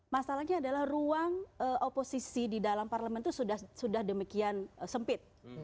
masalahnya adalah ruang oposisi di dalam parlemen itu sudah demikian sempit